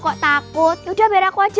kok takut udah berak wajib